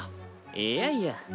いやいや。